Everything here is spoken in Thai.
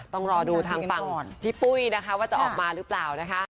ต้องรอดูทางฟังพี่ปุ้ยว่าจะออกมาหรือเปล่า